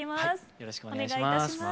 よろしくお願いします。